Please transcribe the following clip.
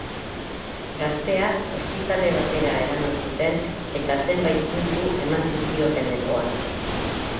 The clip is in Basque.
Gaztea ospitale batera eraman zuten eta zenbait puntu eman zizkioten lepoan.